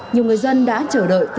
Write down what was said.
nhiều người dân đã chờ đợi từ sáng sớm